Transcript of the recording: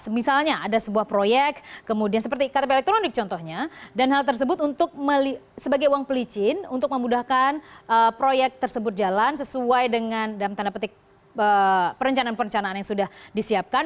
misalnya ada sebuah proyek kemudian seperti ktp elektronik contohnya dan hal tersebut untuk sebagai uang pelicin untuk memudahkan proyek tersebut jalan sesuai dengan dalam tanda petik perencanaan perencanaan yang sudah disiapkan